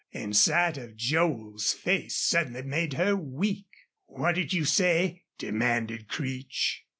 And sight of Joel's face suddenly made her weak. "What'd you say?" demanded Creech.